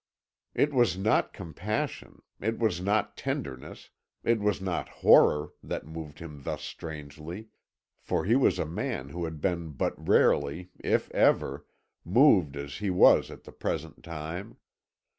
It was not compassion, it was not tenderness, it was not horror, that moved him thus strangely, for he was a man who had been but rarely, if ever, moved as he was at the present time.